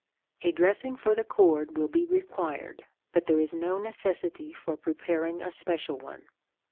A dressing for the cord will be required, but there is no necessity for preparing a special one.